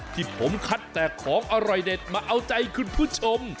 ที่ผมคัดแต่ของอร่อยเด็ดมาเอาใจคุณผู้ชม